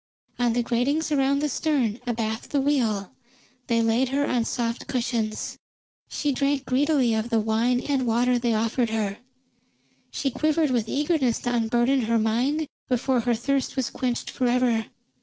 On the gratings around the stern, abaft the wheel, they laid her on soft cushions. She drank greedily of the wine and water they offered her; she quivered with eagerness to unburden her mind before her thirst was quenched forever.